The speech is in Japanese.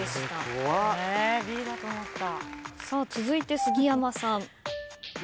続いて杉山さん。